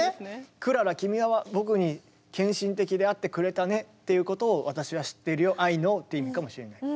クララ君は僕に献身的であってくれたねっていうことを私は知っているよ「Ｉｋｎｏｗ」って意味かもしれない。